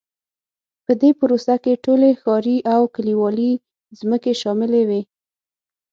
په دې پروسه کې ټولې ښاري او کلیوالي ځمکې شاملې وې.